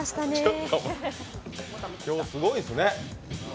今日、すごいですね。